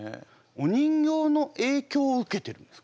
お人形の影響を受けてるんですか？